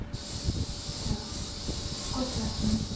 じゃあ少し休める。